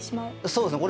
そうですね。